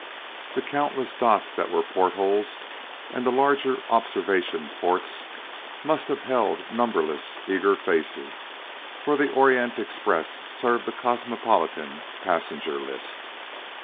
The countless dots that were portholes and the larger observation ports must have held numberless eager faces, for the Oriental Express served a cosmopolitan passenger list.